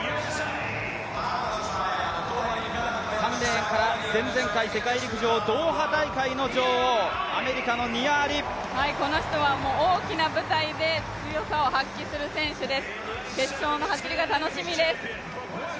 ３レーンから前々回世界陸上ドーハ大会の女王、この人は大きな舞台で強さを発揮する選手です、決勝の走りが楽しみです。